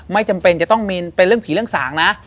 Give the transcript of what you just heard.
ไม่จำเป็นจะต้องมีเป็นเรื่องผีเรื่องสางนะ